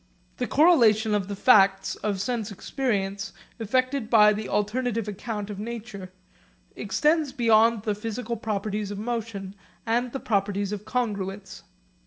The correlation of the facts of sense experience effected by the alternative account of nature extends beyond the physical properties of motion and the properties of congruence.